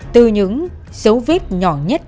từ những dấu viết nhỏ nhất